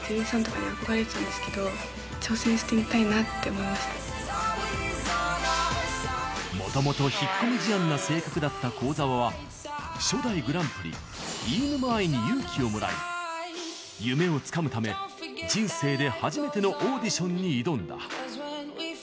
それはもともと引っ込み思案な性格だった幸澤は初代グランプリ・飯沼愛に勇気をもらい夢をつかむため人生で初めてのオーディションに挑んだ。